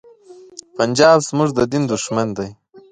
پنجاب زمونږ د دین دښمن دی.